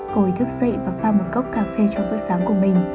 cô ấy thức dậy và pha một gốc cà phê cho bữa sáng của mình